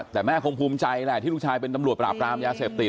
แต่แม่คงภูมิใจแหละที่ลูกชายเป็นตำรวจปราบรามยาเสพติด